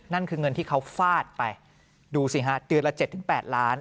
นั่นคือเงินที่เขาฟาดไปดูสิฮะเดือนละ๗๘ล้าน